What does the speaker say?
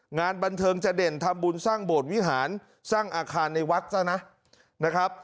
งานบันเทิงจะเด่นทำบุญสร้างโบสถ์วิหารสร้างอาคารในวัดซะนะครับ